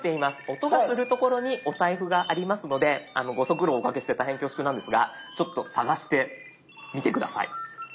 音がする所にお財布がありますのでご足労をおかけして大変恐縮なんですがちょっと探してみて下さい。